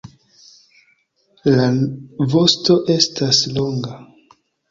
La vosto estas longa.